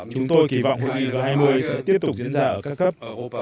chúng tôi kỳ vọng hội nghị g hai mươi sẽ tiếp tục diễn ra ở các cấp